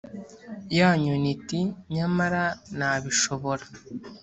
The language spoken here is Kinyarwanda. ya nyoni iti ‘nyamara nabishobora.’